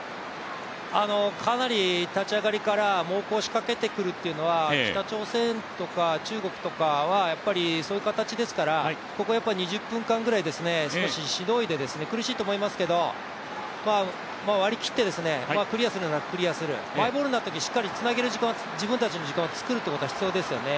かなり立ち上がりから猛攻を仕掛けてくるというのは北朝鮮とか中国とかはそういう形ですから、ここは２０分間ぐらい、少ししのいで苦しいと思いますけど、割り切ってクリアするならクリアする、マイボールになったとき、しっかりつなげる時間、自分たちの時間をつくることが大切ですよね。